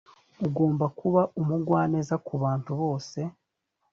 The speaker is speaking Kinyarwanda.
ugomba kuba umugwaneza ku bantu bose